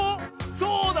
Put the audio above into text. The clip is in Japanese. そうだ！